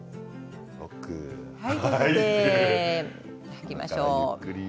吐きましょう。